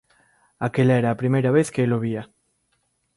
Aquela era a primeira vez que el o vía.